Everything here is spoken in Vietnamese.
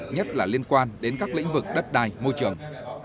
nhất là liên quan đến các lĩnh vực đất đai môi trường